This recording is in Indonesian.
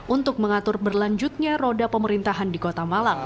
untuk mengatur berlanjutnya roda pemerintahan di kota malang